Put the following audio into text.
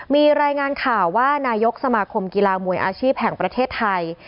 มีรายงานข่าวว่านายกสมาคมกีฬามวยอาชีพแห่งประเทศไทย